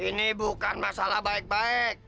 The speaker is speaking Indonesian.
ini bukan masalah baik baik